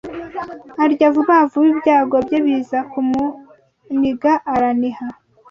arya vubavuba ibyago bye biza kumuniga araniha